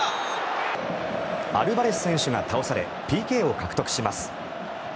アルバレス選手が倒されＰＫを獲得します。